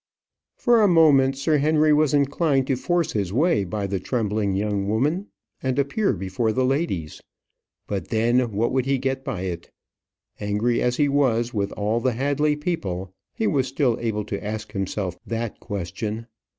For a moment Sir Henry was inclined to force his way by the trembling young woman, and appear before the ladies. But then, what would he get by it? Angry as he was with all the Hadley people, he was still able to ask himself that question.